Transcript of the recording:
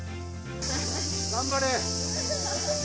頑張れー！